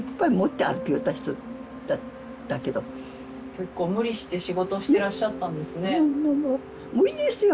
結構無理して仕事してらっしゃったんですね。